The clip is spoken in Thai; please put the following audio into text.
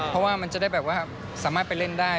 เพราะว่ามันจะได้แบบว่าสามารถไปเล่นได้